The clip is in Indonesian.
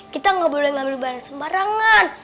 kita nggak boleh ngambil barang sembarangan